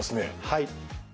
はい。